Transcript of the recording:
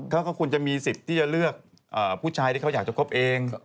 ก็ควรจะมีสิทธิ์ที่จะเลือกผู้ชายที่เขาอยากจะคบเอง